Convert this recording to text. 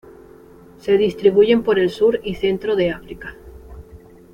Se distribuyen por el sur y centro de África.